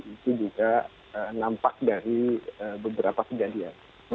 itu juga nampak dari beberapa kejadian